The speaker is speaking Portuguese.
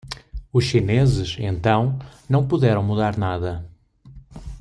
Os chineses, então, não puderam mudar nada.